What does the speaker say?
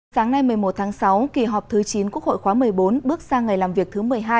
sáng nay một mươi một tháng sáu kỳ họp thứ chín quốc hội khóa một mươi bốn bước sang ngày làm việc thứ một mươi hai